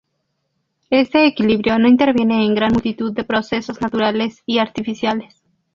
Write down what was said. Este equilibrio interviene en gran multitud de procesos naturales y artificiales.